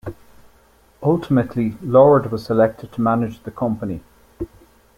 Ultimately, Lord was selected to manage the company.